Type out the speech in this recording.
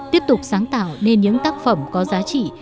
tiếp tục sáng tạo nên những tác phẩm có giá trị